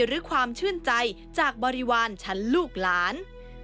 หรือความชื่นใจจากบริวารชั้นลูกหลาน